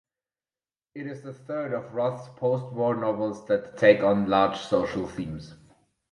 It is the third of Roth's postwar novels that take on large social themes.